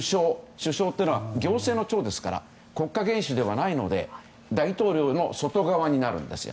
首相というのは行政の長ですから国家元首ではないので大統領の外側になるんですよ。